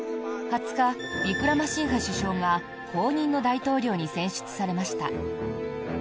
２０日、ウィクラマシンハ首相が後任の大統領に選出されました。